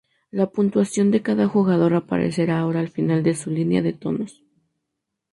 Las puntuación de cada jugador aparecerá ahora al final de su "línea" de tonos.